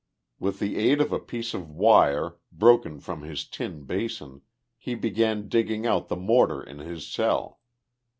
With the aid of a piece of wire, broken from his tin basin, he began digging out the mortar in his cell.